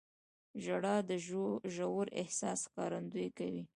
• ژړا د ژور احساس ښکارندویي کوي.